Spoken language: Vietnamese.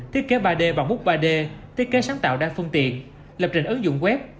thiết kế ba d và múc ba d thiết kế sáng tạo đa phương tiện lập trình ứng dụng web